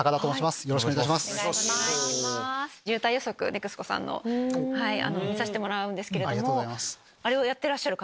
ＮＥＸＣＯさんの見させてもらうんですけれどもあれをやってらっしゃる方？